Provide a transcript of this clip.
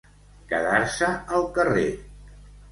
Quedar-se al carrer.